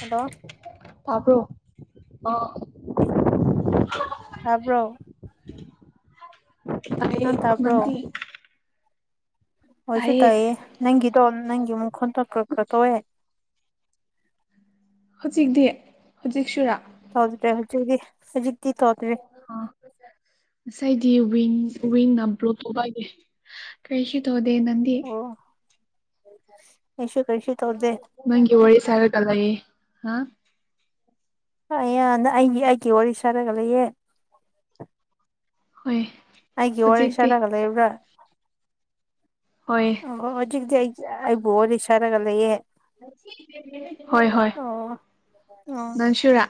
Hello ꯇꯕ꯭ꯔꯣ ꯑꯥ ꯇꯥꯕ꯭ꯔꯣ ꯇꯥꯏꯌꯦ ꯅꯪ ꯇꯥꯕ꯭ꯔꯣ ꯅꯪꯗꯤ ꯍꯣꯏꯁꯨ ꯇꯥꯏꯌꯦ ꯅꯪꯒꯤꯗꯣ ꯅꯪꯒꯤ ꯃꯈꯣꯟꯇꯣ ꯈꯔ ꯈꯔ ꯇꯧꯋꯦ ꯍꯧꯖꯤꯛꯇꯤ ꯍꯧꯖꯤꯛ ꯁꯨꯔꯥ ꯇꯧꯗ꯭ꯔꯦ ꯍꯧꯖꯤꯛꯄꯨꯗꯤ ꯍꯧꯖꯤꯛꯇꯤ ꯇꯧꯗ꯭ꯔꯦ ꯑ ꯉꯁꯥꯏꯗꯤ ꯋꯤꯡ ꯋꯤꯡꯅ ꯕ꯭ꯔꯣ ꯇꯧꯕꯩ ꯀꯔꯤꯁꯨ ꯇꯧꯗꯦ ꯅꯪꯗꯤ ꯑꯣ ꯑꯩꯁꯨ ꯀꯩꯁꯨ ꯇꯧꯗꯦ ꯅꯪꯒꯤ ꯋꯥꯔꯤ ꯁꯥꯔꯒ ꯂꯩꯌꯦ ꯍꯥ ꯑꯩꯌꯥ ꯑꯩꯒꯤ ꯑꯩꯒꯤ ꯋꯥꯔꯤ ꯁꯥꯔꯒ ꯂꯩꯌꯦ ꯍꯣꯏ ꯑꯩꯒꯤ ꯋꯥꯔꯤ ꯍꯧꯖꯤꯛꯇꯤ ꯁꯔꯒ ꯂꯩꯕ꯭ꯔꯥ ꯍꯣꯏ ꯑꯣ ꯍꯧꯖꯤꯛꯄꯨꯗꯤ ꯑꯩ ꯑꯩꯕꯨ ꯋꯥꯔꯤ ꯁꯥꯔꯒ ꯂꯩꯌꯦ ꯍꯣꯏ ꯍꯣꯏ ꯑꯣ ꯑꯣ ꯅꯪꯁꯨꯔꯥ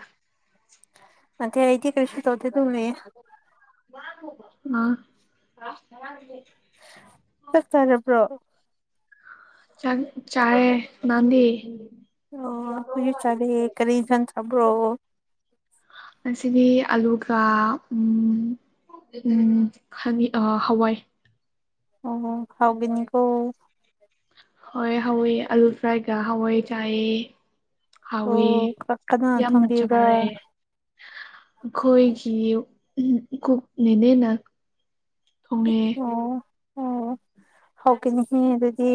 ꯅꯠꯇꯦ ꯑꯩꯗꯤ ꯀꯔꯤꯁꯨ ꯇꯧꯗꯦ ꯑꯗꯨꯝ ꯂꯩꯌꯦ ꯑ ꯆꯥꯛ ꯆꯥꯔꯕ꯭ꯔꯣ ꯆ ꯆꯥꯔꯦ ꯅꯪꯗꯤ ꯑꯣ ꯑꯩꯈꯣꯏꯁꯨ ꯆꯥꯔꯦ ꯀꯔꯤ ꯏꯟꯖꯥꯡ ꯆꯥꯕ꯭ꯔꯣ ꯉꯁꯤꯗꯤ ꯑꯂꯨꯒ ꯍꯋꯥꯏ ꯑꯣ ꯍꯥꯎꯕꯤꯅꯤꯀꯣ ꯍꯣꯏ ꯍꯥꯎꯑꯦ ꯑꯂꯨ ꯐ꯭ꯔꯥꯏꯒ ꯍꯋꯥꯏ ꯆꯥꯏꯑꯦ ꯍꯥꯎꯋꯦ ꯑꯣ ꯀꯅꯥꯅ ꯌꯥꯝꯅ ꯊꯣꯡꯕꯤꯕ꯭ꯔꯥ ꯆꯥꯔꯦ ꯑꯈꯣꯏꯒꯤ ꯀꯨꯛꯅꯤꯅꯦ ꯅꯪ ꯑꯣ ꯑꯣ ꯍꯥꯎꯀꯅꯤꯅꯦ ꯑꯗꯨꯗꯤ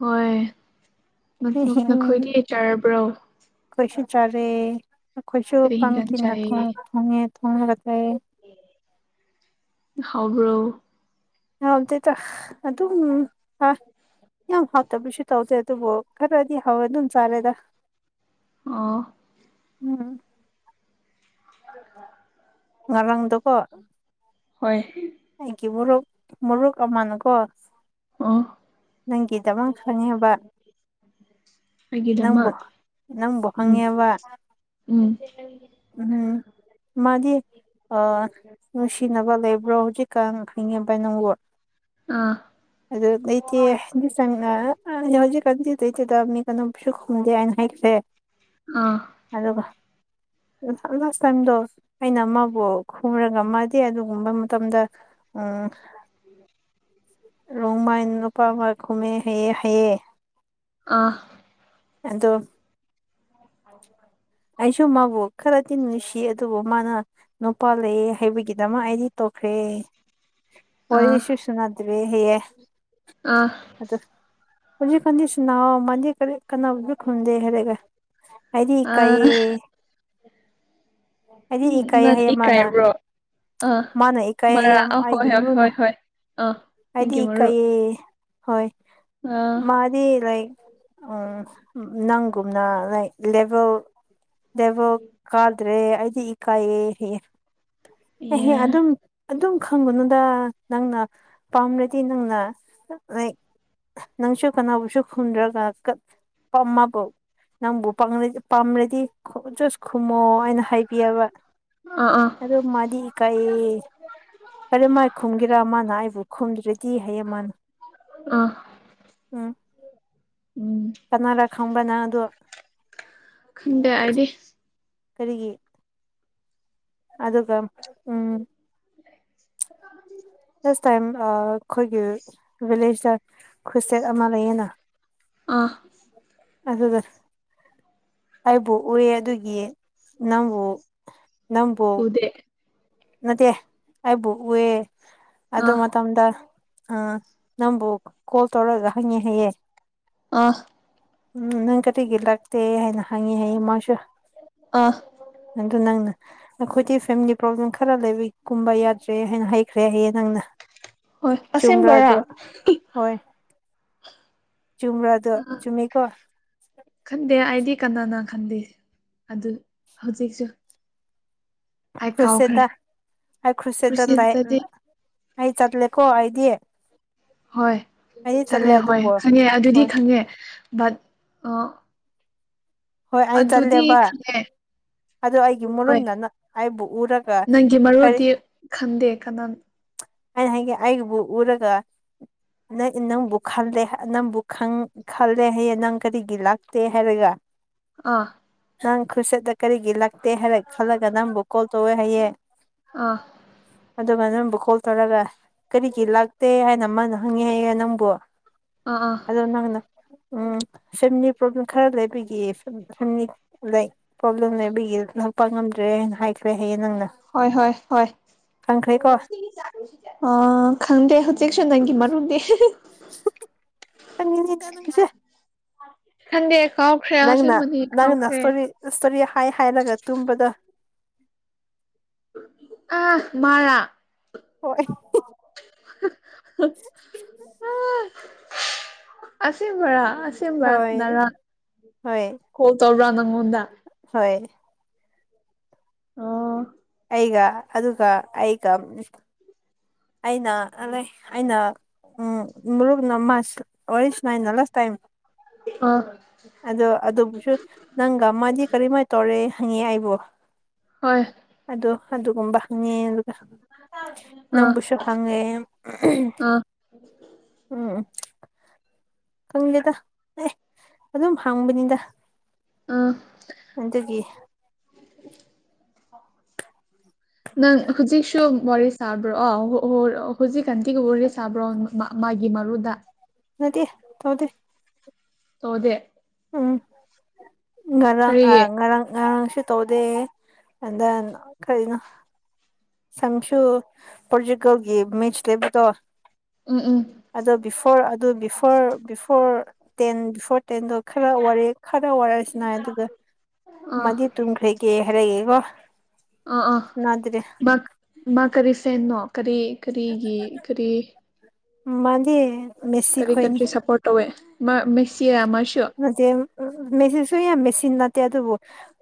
ꯍꯣꯏ ꯅꯈꯣꯏꯗꯤ ꯆꯥꯔꯕ꯭ꯔꯣ ꯑꯩꯈꯣꯏꯁꯨ ꯆꯥꯔꯦ ꯑꯩꯈꯣꯏꯁꯨ ꯀꯔꯤ ꯍꯤꯟꯖꯥꯡ ꯄꯝꯀꯤꯟ ꯆꯥꯏꯌꯦ ꯊꯣꯡꯉꯦ ꯊꯣꯡꯉꯒ ꯆꯥꯏꯑꯦ ꯍꯥꯎꯕ꯭ꯔꯣ ꯍꯥꯎꯗꯦꯗ ꯑꯗꯨꯝ ꯆꯥꯏ ꯌꯥꯝ ꯍꯥꯎꯇꯕꯁꯨ ꯇꯧꯗꯦ ꯑꯗꯨꯕꯨ ꯈꯔꯗꯤ ꯍꯥꯎꯋꯦ ꯑꯗꯨꯝ ꯆꯥꯔꯦꯗ ꯑꯣ ꯎꯝ [unintelligible] ꯉꯔꯥꯡꯗꯀꯣ ꯍꯣꯏ ꯑꯩꯒꯤ ꯃꯣꯔꯣꯛ ꯃꯣꯔꯣꯛ ꯑꯃꯅꯀꯣ ꯑꯣ ꯅꯪꯒꯤꯗꯃꯛ ꯐꯅꯤꯌꯦꯕ ꯅꯪꯕꯨ ꯑꯩꯒꯤꯗꯃꯛ ꯅꯪꯕꯨ ꯎꯝ ꯍꯪꯉꯦꯕ ꯎꯝ ꯎꯝ [unintelligible] ꯃꯥꯗꯤ ꯑ ꯅꯨꯡꯁꯤꯅꯕ ꯂꯩꯕ꯭ꯔꯣ ꯍꯧꯖꯤꯛꯀꯥꯟ ꯈꯔꯤꯉꯦꯝ ꯏ ꯅꯪꯕꯨ ꯑꯥ ꯑꯗꯨ ꯂꯩꯇꯦ [unintelligible] ꯍꯧꯖꯤ ꯀꯟꯗꯤ [unintelligible] ꯑꯗꯨꯝ ꯐꯤꯔꯨꯝ ꯈꯨꯝꯗꯦ ꯍꯥꯏꯅ ꯍꯥꯏꯈ꯭ꯔꯦ ꯑꯥ ꯑꯗꯨꯒ ꯉꯊꯥ ꯂꯥꯁ ꯇꯥꯏꯝꯗꯣ ꯑꯩꯅ ꯑꯃꯕꯨ ꯈꯨꯝꯔꯒ ꯃꯥꯗꯤ ꯑꯗꯨꯒꯨꯝꯕ ꯃꯇꯝꯗ ꯑꯥ [inaudible] ꯔꯣꯡꯃꯥꯏꯟ ꯅꯨꯄꯥ ꯑꯃ ꯈꯨꯝꯃꯦ ꯍꯩꯌ‌ꯦ ꯍꯥꯢꯌ‌ꯦ ꯑꯥ ꯑꯗꯨ [inaudible] ꯑꯩꯁꯨ ꯃꯥꯕꯨ ꯈꯔꯗꯤ ꯅꯨꯡꯁꯤꯌꯦ ꯑꯗꯨꯕꯨ ꯃꯥꯅ ꯅꯨꯄꯥ ꯂꯩꯌꯦ ꯍꯥꯏꯕꯒꯤꯗꯃꯛ ꯑꯩꯗꯤ ꯇꯣꯛꯈ꯭ꯔꯦ ꯑꯥ ꯋꯥꯔꯤꯁꯨꯨ ꯁꯅꯥꯗꯔꯦ ꯍꯥꯢꯌꯦ ꯑ ꯑꯗꯨ ꯍꯧꯖꯤꯀꯟꯗꯤ ꯁꯨꯅꯋꯣ ꯃꯥꯗꯤ ꯀꯔꯤ ꯀꯅꯥꯕꯨꯗꯤ ꯈꯨꯝꯗꯦ ꯍꯥꯏꯔꯒ ꯑꯩꯗꯤ ꯑꯥ ꯏꯀꯩꯌ‌ꯦ ꯑꯩꯗꯤ ꯏꯀꯥꯏ ꯅꯪ ꯍꯥꯏꯌꯦ ꯃꯥꯅ ꯏꯀꯥꯏꯕ꯭ꯔꯣ ꯑꯥ ꯃꯥꯅ ꯏꯀꯥꯏ ꯃꯔꯥ ꯍꯥꯏꯌꯦ ꯑ ꯍꯣꯏ ꯑꯩꯒꯤ ꯍꯣꯏ ꯃꯔꯨꯞꯅ ꯍꯣꯏ ꯍꯣꯏ ꯑꯥ ꯑꯩꯗꯤ ꯅꯪꯒꯤ ꯃꯔꯨꯞ ꯏꯀꯥꯏꯌꯦ ꯍꯣꯏ ꯑꯥ ꯃꯥꯗꯤ ꯂꯥꯏꯛ ꯎꯝ ꯅꯪꯒꯨꯝꯅ ꯂꯥꯏꯛ ꯂꯦꯕꯦꯜ ꯂꯦꯕꯦꯜ ꯀꯗ꯭ꯔꯦ ꯑꯩꯗꯤ ꯏꯀꯥꯏꯌꯦ ꯍꯥꯢꯌꯦ ꯑꯦ ꯑꯦꯍꯦ ꯑꯗꯨꯝ ꯑꯗꯨꯝ ꯈꯪꯒꯅꯨꯗ ꯅꯪꯅ ꯄꯥꯝꯔꯗꯤ ꯅꯪꯅ ꯂꯥꯏꯛ ꯅꯪꯁꯨ ꯀꯅꯥꯕꯨꯁꯨ ꯈꯨꯝꯗ꯭ꯔꯒ ꯀ ꯄꯝꯃꯕꯨ ꯅꯪꯕꯨꯄꯡꯂꯗꯤ ꯄꯝꯔꯗꯤ ꯖꯁ ꯈꯨꯃꯣ ꯑꯩꯅ ꯍꯥꯏꯕꯤꯌ‌ꯦꯕ ꯑꯥ ꯑꯥ ꯑꯗꯨ ꯃꯗꯤ ꯏꯀꯥꯢꯌ‌ꯦ ꯑꯗꯨ ꯃꯥꯏ ꯈꯨꯝꯒꯦꯔꯥ ꯃꯥꯅ ꯑꯩꯕꯨ ꯈꯨꯝꯗ꯭ꯔꯗꯤ ꯍꯥꯏꯌꯦ ꯃꯥꯅ ꯑ ꯎꯝ ꯎꯝ ꯀꯅꯥꯔ ꯈꯪꯕꯔ ꯅꯪ ꯑꯗꯨ ꯈꯟꯗꯦ ꯑꯥꯢꯗꯤ ꯀꯔꯤꯒꯤ ꯑꯗꯨꯒ ꯎꯝ [unintelligible] ꯐꯁ ꯇꯥꯏꯝ ꯑꯩꯈꯣꯏꯒꯤ ꯚꯤꯂꯦꯖꯇ ꯈꯨꯠꯁꯦꯠ ꯑꯃ ꯂꯩꯌꯦꯅ ꯑꯥ ꯑꯗꯨꯒ ꯑꯩꯕꯨ ꯎꯌ‌ꯦ ꯑꯗꯨꯒꯤ ꯅꯪꯕꯨ ꯅꯪꯕꯨ ꯎꯗꯦ ꯅꯠꯇꯦ ꯑꯩꯕꯨ ꯎꯌ‌ꯦ ꯑꯗꯨ ꯑꯥ ꯃꯇꯝꯗ ꯑ ꯅꯪꯕꯨ ꯀꯣꯜ ꯇꯧꯔꯒ ꯍꯪꯉꯦ ꯍꯥꯏꯌꯦ ꯑ ꯎꯝ ꯅꯪ ꯀꯔꯤꯒꯤ ꯂꯥꯛꯇꯦ ꯍꯥꯏꯅ ꯍꯪꯉꯤ ꯍꯥꯏꯌꯦ ꯃꯥꯁꯨ ꯑ ꯑꯗꯨ ꯅꯪꯅ ꯑꯩꯈꯣꯏꯗꯤ ꯐꯦꯃꯤꯂꯤ ꯄ꯭ꯔꯣꯕ꯭ꯂꯦꯝ ꯈ ꯈꯔ ꯂꯩꯕꯒꯤ ꯀꯨꯝꯕ ꯌꯥꯗ꯭ꯔꯦ ꯍꯥꯏꯅ ꯍꯩꯈ꯭ꯔꯦ ꯍꯥꯏꯌꯦ ꯅꯪꯅ ꯍꯣꯏ ꯆꯨꯝꯕ꯭ꯔ ꯑꯁꯦꯡꯕꯔꯥ ꯑꯗꯨ ꯍꯣꯏ ꯆꯨꯝꯕ꯭ꯔ ꯗꯣ ꯑꯥ ꯆꯨꯝꯃꯤ ꯀꯣ ꯈꯟꯗꯦ ꯑꯩꯗꯤ ꯀꯅꯥꯅ ꯈꯟꯗꯦ ꯑꯗꯨ ꯍꯧꯖꯤꯛꯁꯨ ꯑꯩ ꯀꯥꯎꯈ꯭ꯔꯦ ꯈꯨꯔꯁꯦꯗ ꯑꯩ ꯈꯨꯔꯁꯦꯗ ꯂꯩ ꯀ꯭ꯔꯨꯁꯦꯠꯇꯗꯤ ꯑꯩ ꯆꯠꯂꯦꯀꯣ ꯑꯩꯗꯤ ꯍꯣꯏ ꯑꯩꯗꯤ ꯆꯠꯂꯦ ꯍꯣꯏ ꯑꯗꯨꯕꯨ ꯈꯪꯉꯦ ꯑꯗꯨꯗꯤ ꯍꯣꯏ ꯈꯪꯉꯦ ꯕꯠ ꯍꯣꯏ ꯑꯩ ꯑꯗꯨꯗꯤ ꯆꯠꯂꯦꯕ ꯈꯪꯉꯦ ꯑꯗꯨ ꯑꯩꯒꯤ ꯍꯣꯏ ꯃꯔꯨꯞꯅ ꯑꯩꯕꯨ ꯎꯔꯒ ꯅꯪꯒꯤ ꯀꯩ ꯃꯔꯨꯗꯤ ꯈꯟꯗꯦ ꯀꯅꯥ ꯑꯩ ꯍꯥꯏꯒꯦ ꯑꯩꯕꯨ ꯎꯔꯒ ꯅꯪ ꯅꯪꯕꯨ ꯈꯜꯂꯦ ꯅꯪꯕꯨ ꯈꯪ ꯈꯜꯂꯦ ꯍꯥꯏꯌꯦ ꯅꯪ ꯀꯔꯤꯒꯤ ꯂꯥꯛꯇꯦ ꯍꯥꯏꯔꯒ ꯑꯥ ꯅꯪ ꯈꯨꯠꯁꯠꯇ ꯀꯔꯤꯒꯤ ꯂꯥꯛꯇꯦ ꯍꯥꯏꯔ ꯈꯜꯂꯒ ꯅꯪꯕꯨ ꯀꯣꯜ ꯇꯧꯋꯦ ꯍꯥꯏꯌꯦ ꯑꯥ ꯑꯗꯨꯒ ꯅꯪꯕꯨ ꯀꯣꯜ ꯇꯧꯔꯒ ꯀꯔꯤꯒꯤ ꯂꯥꯛꯇꯦ ꯍꯥꯏꯅ ꯃꯥꯅ ꯍꯪꯉꯤ ꯍꯥꯏꯌꯦ ꯅꯪꯕꯨ ꯑꯥ ꯑ ꯑꯗꯣ ꯅꯪꯅ ꯎꯝ ꯐꯦꯃꯤꯂꯤ ꯄ꯭ꯔꯣꯕ꯭ꯂꯦꯝ ꯈꯔ ꯂꯩꯕꯒꯤ ꯎꯝ ꯐꯦꯃꯤꯂꯤ ꯄ꯭ꯔꯣꯕ꯭ꯂꯦꯝ ꯂꯩꯕꯒꯤ ꯂꯥꯛꯄ ꯉꯝꯗ꯭ꯔꯦ ꯍꯥꯏꯅ ꯍꯥꯏꯈ꯭ꯔꯦ ꯍꯥꯏꯌꯦ ꯅꯪꯅ ꯍꯣꯏ ꯍꯣꯏ ꯍꯣꯏ ꯈꯪꯈ꯭ꯔꯦꯀꯣ ꯑ ꯈꯪꯗꯦ ꯍꯧꯖꯤꯛꯁꯨ ꯅꯪꯒꯤ ꯃꯔꯨꯗꯦ ꯈꯪꯉꯤꯅꯤꯗ ꯅꯪꯁꯦ ꯈꯟꯗꯦ ꯀꯥꯎꯈ꯭ꯔꯦ ꯑꯁꯤꯃꯅꯤ ꯀꯥꯎꯈ꯭ꯔꯦ ꯏꯁꯇꯔꯤ ꯍꯥꯏ ꯍꯥꯏꯔꯒ ꯇꯨꯝꯕꯗ ꯑ ꯃꯥꯔ ꯍꯣꯏ [unintelligible] ꯑꯁꯦꯡꯕꯔ ꯑꯁꯦꯡꯕꯔ ꯍꯣꯏ ꯅꯔꯥ ꯍꯣꯏ ꯀꯣꯜ ꯇꯧꯕ꯭ꯔꯥ ꯅꯪꯉꯣꯟꯗ ꯍꯣꯏ ꯑꯣ ꯑꯩꯒ ꯑꯗꯨꯒ ꯑꯩꯒ ꯑꯩꯅ ꯑꯂꯦ ꯑꯩꯅ ꯎꯝ ꯃꯔꯨꯞꯅ ꯃꯥꯁ ꯋꯥꯔꯤ ꯁꯥꯅꯩꯅ ꯑꯜꯋꯦꯁ ꯇꯥꯏꯝ ꯑꯥ ꯑꯗꯣ ꯑꯗꯨꯕꯨꯁꯨ ꯅꯪꯒ ꯃꯥꯗꯤ ꯀꯔꯤꯝꯃꯥꯏ ꯇꯧꯔꯦ ꯍꯪꯉꯦ ꯑꯩꯕꯨ ꯍꯣꯏ ꯑꯗꯣ ꯑꯗꯨꯒꯨꯝꯕ ꯍꯪꯉꯦ ꯑꯗꯨꯒ [unintelligible] ꯅꯡꯕꯨꯁꯨ ꯍꯪꯉꯦ ꯑꯍꯝ ꯑꯥ ꯎꯝ ꯈꯪꯗꯦꯗ ꯑꯦ ꯑꯗꯨꯝ ꯍꯪꯕꯅꯤꯗ ꯎꯝ ꯑꯗꯨꯒꯤ ꯅꯪ ꯍꯨꯖꯤꯛꯁꯨꯨ ꯋꯥꯔꯤ ꯁꯥꯕ꯭ꯔꯣ ꯑ ꯍ ꯍꯧꯖꯤꯛꯀꯥꯟꯇꯤꯒ ꯋꯥꯔꯤ ꯁꯥꯕ꯭ꯔꯣ ꯃꯥ ꯃꯥꯒꯤ ꯃꯔꯨꯗ ꯅꯠꯇꯦ ꯇꯧꯗꯦ ꯇꯣꯗꯦ ꯎꯝ ꯉꯔꯥꯡ ꯑ ꯀꯔꯤꯒꯤ ꯉꯔꯥꯡ ꯉꯔꯥꯡꯁꯨ ꯇꯧꯗꯦ ꯑꯗ ꯑ ꯀꯔꯤꯅꯣ ꯁꯪꯁꯨꯨ ꯄꯣꯔꯆꯨꯒꯜꯒꯤ ꯃꯤꯆ ꯂꯩꯕꯗꯣ ꯎꯝ ꯎꯝ ꯑꯗꯣ ꯕꯤꯐꯣꯔ ꯑꯗꯣ ꯕꯤꯐꯣꯔ ꯕꯤꯐꯣꯔ ꯇꯦꯟ ꯕꯤꯐꯣꯔ ꯇꯦꯟꯗꯣ ꯈꯔ ꯋꯥꯔꯦ ꯈꯔ ꯋꯥꯔꯛꯁꯤꯅꯥꯏ ꯑꯗꯨꯗ ꯑꯥ ꯃꯥꯗꯤ ꯇꯨꯡ ꯈ꯭ꯔꯦꯒꯦ ꯍꯥꯏꯔꯦꯀꯣ ꯑꯥ ꯑꯥ ꯅꯗ꯭ꯔꯦ [unintelligible] ꯃꯥ ꯀꯔꯤ ꯁꯦꯅꯣ ꯀꯔꯤ ꯀꯔꯤꯒꯤ ꯀꯔꯤ ꯃꯥꯟꯗꯤꯌꯦ ꯀꯔꯤ ꯀꯟꯇ꯭ꯔꯤ ꯁꯞꯄ꯭ꯔꯣꯠ ꯇꯧꯋꯦ ꯃꯥ ꯃꯦꯁꯤꯌꯥ ꯃꯥꯁꯨ [unintelligible] ꯃꯦꯁꯤꯁꯨ ꯌꯥꯝ ꯃꯦꯁꯤꯟ ꯅꯥꯠꯇꯦ ꯑꯗꯨꯕꯨ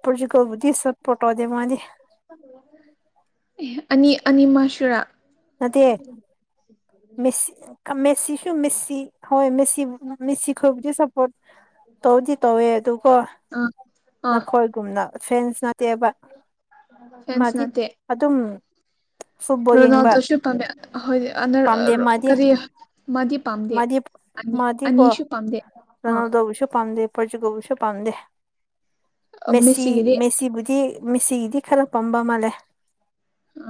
ꯄꯣꯔꯆꯨꯀꯜꯕꯨꯗꯤ ꯁꯞꯄ꯭ꯔꯣꯠ ꯇꯧꯗꯦ ꯃꯥꯗꯤ [inaudible] ꯑꯦ ꯑꯅꯤ ꯑꯅꯤ ꯃꯁꯨꯨꯔꯥ ꯅꯠꯇꯦ ꯎꯝ ꯃꯦꯁꯤ ꯃꯦꯁꯤꯁꯨꯨ ꯃꯦꯁꯤ ꯍꯣꯏ ꯃꯦꯁꯤ ꯃꯦꯁꯤ ꯈꯣꯏꯕꯨꯗꯤ ꯁ ꯄꫭꯠ ꯇꯧꯗꯤ ꯇꯧꯋꯦ ꯑꯗꯣ ꯀꯣ ꯑꯥ ꯑꯥ ꯅꯈꯣꯏꯒꯨꯝꯅ ꯐꯦꯟꯁ ꯅꯠꯇꯦꯕ ꯐꯦꯟꯁ ꯃꯥꯗꯤ ꯅꯠꯇꯦ ꯑꯗꯨꯝ ꯐꯨꯠꯕꯣꯜ ꯌꯦꯡꯕ ꯔꯣꯅꯥꯜꯅꯗꯣꯁꯨ ꯄꯝꯃꯦ ꯍꯣꯏꯗꯤ ꯑꯅꯔ ꯄꯥꯝꯗꯦ ꯑꯔ ꯃꯥꯗꯤ ꯀꯔꯤ ꯃꯥꯗꯤ ꯄꯥꯝꯗꯦ ꯃꯥꯗꯤ ꯑꯅꯤ ꯃꯥꯗꯤꯀꯣ ꯑꯅꯤꯁꯨ ꯄꯥꯝꯗꯦ ꯑꯥ ꯔꯣꯅꯥꯜꯗꯣꯕꯨꯁꯨ ꯄꯝꯗꯦ ꯄꯣꯔꯆꯨꯒꯜꯁꯨ ꯄꯥꯝꯗꯦ ꯃꯦꯁꯤ ꯃꯦꯁꯤꯒꯤꯗꯤ ꯃꯦꯁꯤꯕꯨꯗꯤ ꯃꯦꯁꯤꯒꯤꯗꯤ ꯈꯔꯥꯄꯝꯕ ꯑꯃꯥꯂꯩ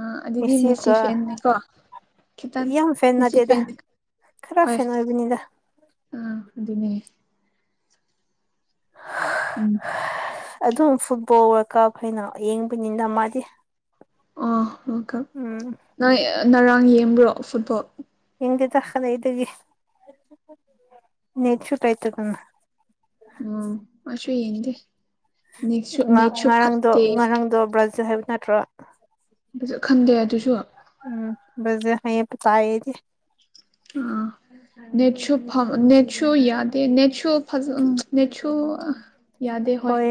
ꯑ ꯑꯗꯨꯗꯤ ꯃꯦꯁꯤ ꯐꯦꯟꯅꯦꯀꯣ ꯈꯈꯤꯇꯥꯟ ꯌꯥꯝ ꯐꯦꯟ ꯅꯠꯇꯦꯗ [unintelligible] ꯈꯔ ꯍꯣꯏ ꯐꯦꯟ ꯑꯣꯏꯕꯅꯤꯗ ꯑ ꯑꯗꯨꯅꯦ ꯎꯝ ꯑꯗꯨꯝ ꯐꯨꯠꯕꯣꯜ ꯀꯥꯎꯈ꯭ꯔꯦꯅ ꯌꯦꯡꯕꯅꯤꯅ ꯃꯥꯗꯤ ꯑꯣ ꯂꯣꯀꯞ ꯎꯝ ꯅꯣꯏ ꯉꯔꯥꯡ ꯌꯦꯡꯕ꯭ꯔꯣ ꯐꯨꯠꯕꯣꯜ ꯌꯦꯡꯗꯦꯗ ꯀꯗꯥꯏꯗꯒꯤ ꯅꯦꯠꯁꯨ ꯂꯩꯇꯗꯅ ꯎꯝ ꯑꯩꯁꯨ ꯌꯦꯡꯗꯦ ꯅꯦꯁꯨ ꯅꯦꯠꯁꯨ ꯐꯠꯇꯦ ꯑꯥꯗꯣ ꯕ꯭ꯔꯥꯖꯜ ꯍꯥꯏꯕ ꯅꯠꯇ꯭ꯔꯣ ꯈꯪꯗꯦ ꯑꯗꯨꯁꯨ ꯎꯝ ꯕꯖꯜ ꯍꯥꯌꯦ ꯇꯥꯌꯦ ꯑꯩꯗꯤ ꯑꯥ ꯅꯦꯠꯁꯨ ꯐ ꯅꯦꯠꯁꯨ ꯌꯥꯗꯦ ꯅꯦꯁꯨ ꯐꯖ ꯅꯦꯁꯨ ꯑ [unintelligible] ꯍꯣꯏ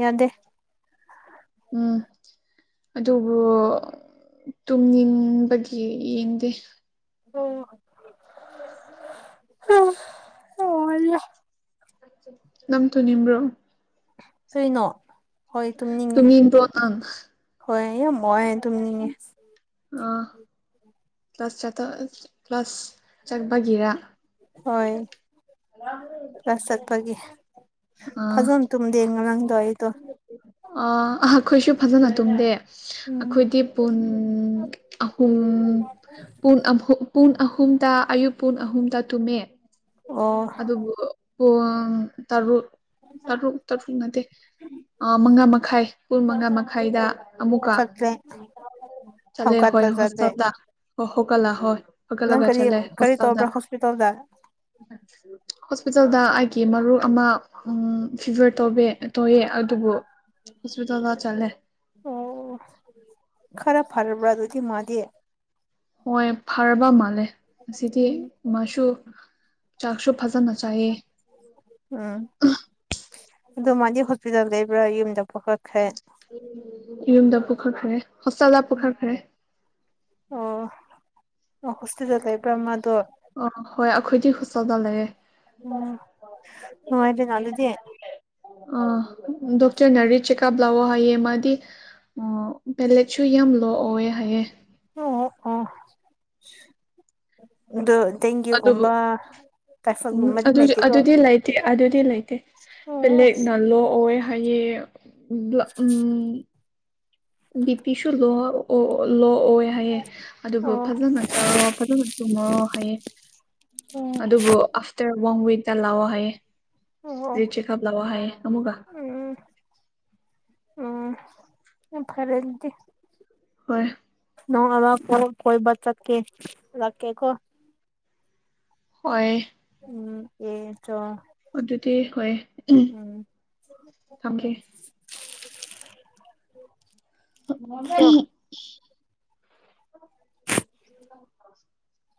ꯌꯥꯗꯦ꯫ ꯎꯝ ꯑꯗꯨꯕꯨ ꯇꯨꯝꯅꯤꯡꯕꯒꯤ ꯌꯦꯡꯗꯦ꯫ ꯍ [inaudible] ꯅꯪ ꯇꯨꯝꯅꯤꯡꯕ꯭ꯔꯣ꯫ ꯀꯩꯅꯣ ꯍꯣꯏ ꯇꯨꯝꯅꯤꯡꯉꯦ ꯇꯨꯝꯅꯤꯡꯕ꯭ꯔꯣ ꯅꯪ ꯍꯣꯏ ꯑꯩ ꯌꯥꯝ ꯋꯥꯏꯌꯦ ꯇꯨꯝꯅꯤꯡꯉꯦ꯫ ꯑ ꯀ꯭ꯂꯥꯁ ꯆꯇ ꯀ꯭ꯂꯥꯁ ꯆꯠꯄꯒꯤꯔ꯫ ꯍꯣꯏ ꯀ꯭ꯂꯥꯁ ꯆꯠꯄꯒꯤ꯫ ꯐꯖꯅ ꯇꯨꯝꯗꯦ ꯉꯔꯥꯡꯗꯣ ꯑꯩꯗꯣ ꯑ ꯑ ꯑꯩꯈꯣꯏꯁꯨ ꯐꯖꯅ ꯇꯨꯝꯗꯦ꯫ ꯎꯝ ꯑꯩꯈꯣꯏꯗꯤ ꯄꯡ ꯑꯍꯨꯝ ꯄꯨꯡ ꯑꯍꯨ ꯄꯨꯡ ꯑꯍꯨꯝꯇ ꯑꯌꯨꯛ ꯄꯨꯡ ꯑꯍꯨꯝꯗ ꯇꯨꯝꯃꯦ ꯑꯣ ꯑꯗꯨꯕꯨ ꯄꯨꯡ ꯇꯔꯨꯛ ꯇꯔꯨꯛ ꯇꯔꯨꯛ ꯅꯠꯇꯦ ꯑ ꯃꯉꯥ ꯃꯈꯥꯏ ꯄꯨꯡ ꯃꯉꯥ ꯃꯈꯥꯏꯗ ꯑꯃꯨꯛꯀ ꯀꯈ꯭ꯔꯦ [unintelligible] ꯆꯠꯂꯦ ꯍꯣꯏ ꯍꯣꯁꯇꯦꯜꯗ ꯍꯧꯒꯠꯂꯒ ꯍꯣꯏ ꯅꯪ ꯍꯧꯒꯠꯂꯒ ꯀꯔꯤ ꯆꯠꯂꯦ ꯀꯔꯤ ꯇꯧꯕ꯭ꯔꯥ ꯍꯣꯁꯇꯦꯜꯗ ꯍꯣꯁꯄꯤꯇꯥꯜꯗ ꯍꯣꯁꯄꯤꯇꯥꯜꯗ ꯑꯩꯒꯤ ꯃꯔꯨꯞ ꯑꯃ ꯎ ꯐꯤꯚꯔ ꯇ ꯇꯧꯑꯦ ꯑꯗꯨꯕꯨ ꯍꯣꯁꯄꯤꯇꯥꯜꯗ ꯆꯠꯂꯦ ꯑꯣ ꯈꯔ ꯐꯔꯕ꯭ꯔꯥ ꯑꯗꯨꯗꯤ ꯃꯥꯗꯤ ꯍꯣꯏ ꯐꯔꯕ ꯃꯥꯜꯂꯦ ꯉꯁꯤꯗꯤ ꯎꯝ ꯃꯥꯁꯨ ꯆꯥꯛꯁꯨ ꯐꯖꯅ ꯆꯥꯏꯌꯦ ꯎꯝ ꯑꯗꯨ ꯃꯥꯗꯤ ꯍꯣꯁꯄꯤꯇꯥꯜ ꯂꯩꯕ꯭ꯔꯥ ꯌꯨꯝꯗ ꯄꯨꯈꯠꯈ꯭ꯔꯦ ꯌꯨꯝꯗ ꯄꯨꯈꯠꯈ꯭ꯔꯦ ꯍꯣꯁꯇꯥꯦꯜꯗ ꯄꯨꯈꯠꯈ꯭ꯔꯦ ꯑꯣ ꯑꯣ ꯍꯣꯁꯇꯦꯜꯗ ꯂꯩꯕ꯭ꯔꯥ ꯃꯥꯗꯣ ꯑ ꯍꯣꯏ ꯑꯩꯈꯣꯏꯗꯤ ꯍꯣꯁꯇꯦꯜꯗ ꯂꯩꯌꯦ ꯎꯝ ꯅꯨꯡꯉꯥꯏꯗꯅ ꯑꯗꯨꯗꯤ ꯑ ꯗꯣꯛꯇꯔꯅ ꯔꯤ ꯆꯦꯛꯀꯞ ꯂꯥꯛꯑꯣ ꯍꯥꯏꯌꯦ ꯃꯥꯗꯤ ꯑꯣ ꯄꯦꯂꯦꯠꯁꯨ ꯌꯥꯝ ꯂꯣ ꯑꯣꯏꯑꯦ ꯍꯥꯏꯌꯦ ꯑꯣ ꯑꯣ ꯑꯗꯨ ꯑꯗꯨꯕꯨ ꯇꯦꯡꯒꯤꯒꯨꯝꯕ ꯎꯝ ꯑꯗꯨꯗꯤ ꯑꯗꯨꯗꯤ ꯂꯩꯇꯦ ꯑꯗꯨꯗꯤ ꯂꯩꯇꯦ ꯑꯣ ꯄꯦꯂꯦꯠꯅ ꯂꯣ ꯑꯣꯏꯌꯦ ꯍꯥꯏꯌꯦ ꯎꯝ ꯕꯤ ꯄꯤꯁꯨ ꯂꯣ ꯂꯣ ꯑꯣꯏ ꯍꯥꯏꯌꯦꯦ ꯑꯗꯨꯕꯨ ꯑꯣ ꯐꯖꯅ ꯆꯥꯔꯣ ꯐꯖꯅ ꯇꯨꯝꯃꯨꯔꯣ ꯍꯥꯏꯌꯦ ꯎꯝ ꯑꯗꯨꯕꯨ ꯑꯥꯐꯇꯔ ꯋꯥꯟ ꯋꯤꯛꯇ ꯂꯥꯛꯑꯣ ꯍꯥꯏꯌꯦ ꯑꯣ ꯔꯤ ꯆꯦꯛꯑꯞ ꯂꯥꯛꯑꯣ ꯍꯥꯏꯌꯦ ꯑꯃꯨꯛꯀ ꯎꯝ ꯎꯝ ꯌꯥꯝ ꯐꯔꯦ ꯑꯗꯨꯗꯤ ꯍꯣꯏ ꯅꯣꯡꯉꯥꯜꯂꯛ ꯀꯣꯏꯕ ꯆꯠꯀꯦ ꯂꯥꯛꯀꯦꯀꯣ ꯍꯣꯏ ꯎꯝ ꯑꯦ ꯆꯣ ꯑꯗꯨꯗꯤ ꯍꯣꯏ ꯎꯝ ꯊꯝꯒꯦ ꯁꯤꯌꯣꯔ [inaudible] [inaudible]